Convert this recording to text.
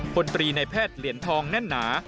พลตรีในแพทย์เหรียญทองแน่นหนา